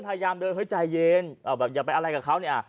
พยายามเดินเฮ้ยใจเย็นแบบอย่าไปอะไรกับเขาเนี่ย